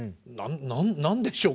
何でしょう？